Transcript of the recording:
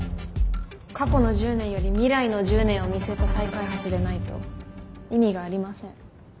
過去の１０年より未来の１０年を見据えた再開発でないと意味がありません。